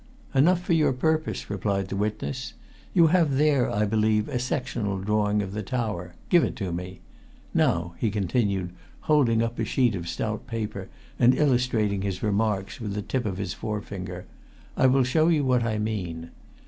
"Enough for your purpose," replied the witness. "You have there, I believe, a sectional drawing of the tower give it to me. Now," he continued, holding up a sheet of stout paper and illustrating his remarks with the tip of his forefinger, "I will show you what I mean.